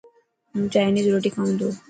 هون چائنيز روٽي کائون تو.